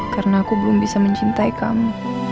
karena aku belum bisa mencintai kamu